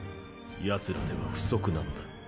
ヤツらでは不足なのだ。